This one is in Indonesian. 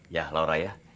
ya laura ya